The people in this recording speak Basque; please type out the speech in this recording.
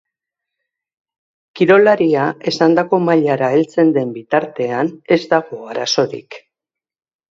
Kirolaria esandako mailara heltzen den bitartean ez dago arazorik.